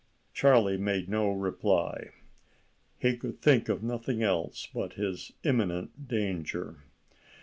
Charlie made no reply. He could think of nothing else but his imminent danger.